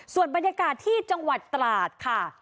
ส่วนบรรยากาศที่จังหวัดตราดค่ะ